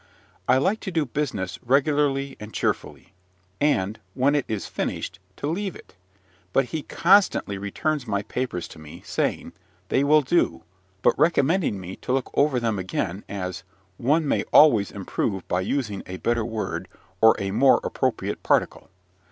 I like to do business regularly and cheerfully, and, when it is finished, to leave it. But he constantly returns my papers to me, saying, "They will do," but recommending me to look over them again, as "one may always improve by using a better word or a more appropriate particle."